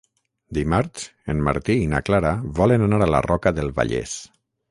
Dimarts en Martí i na Clara volen anar a la Roca del Vallès.